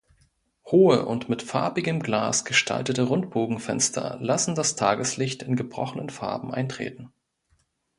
Hohe und mit farbigem Glas gestaltete Rundbogenfenster lassen das Tageslicht in gebrochenen Farben eintreten.